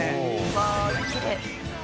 わぁきれい。